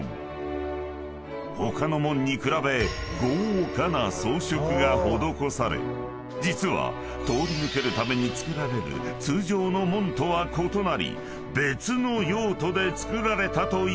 ［他の門に比べ豪華な装飾が施され実は通り抜けるために造られる通常の門とは異なり別の用途で造られたといわれる門］